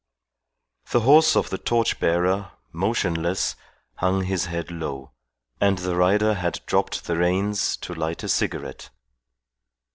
The horse of the torch bearer, motionless, hung his head low, and the rider had dropped the reins to light a cigarette.